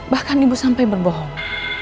bahkan ibu sampai berbohong